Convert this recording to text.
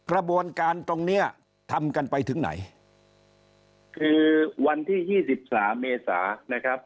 กระบวนการตรงเนี้ยทำกันไปถึงไหนคือวันที่ยี่สิบสามเมษานะครับ